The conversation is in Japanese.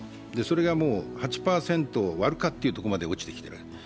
それがもう８％を割るかというとこまで落ちてきてる。